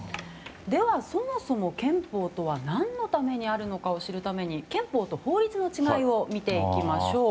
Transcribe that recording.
では、そもそも憲法とは何のためにあるのかを知るために憲法と法律の違いを見ていきましょう。